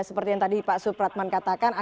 seperti yang tadi pak supratman katakan